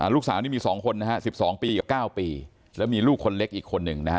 ลูกสาวนี้มีสองคนนะฮะสิบสองปีกับเก้าปีแล้วมีลูกคนเล็กอีกคนหนึ่งนะฮะ